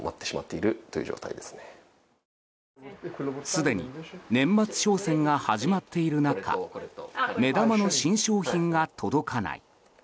すでに年末商戦が始まっている中目玉の新商品が届かない。